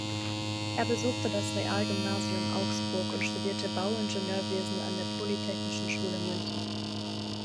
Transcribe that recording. Er besuchte das Realgymnasium Augsburg und studierte Bauingenieurwesen an der Polytechnischen Schule München.